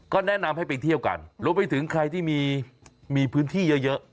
ก็แนะนำให้ไปเที่ยวกันรวมไปถึงใครที่มีพื้นที่เยอะ